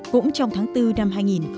cũng trong tháng bốn năm hai nghìn một mươi bảy